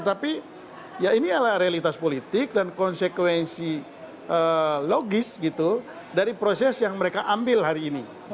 tapi ya ini adalah realitas politik dan konsekuensi logis gitu dari proses yang mereka ambil hari ini